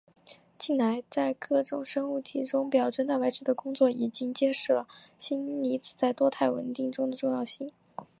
近来在各种生物体中表征蛋白质的工作已经揭示了锌离子在多肽稳定中的重要性。